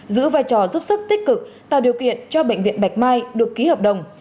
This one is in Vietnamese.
giữ vai trò giúp sức tích cực tạo điều kiện cho bệnh viện bạch mai được ký hợp đồng